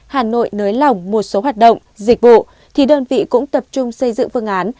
hà nội nới lỏng một số hoạt động dịch vụ thì đơn vị cũng tập trung xây dựng phương án